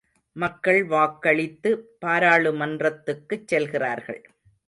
மக்கள் வாக்களித்து, பாராளுமன்றத்துக்குச் செல்கிறார்கள்.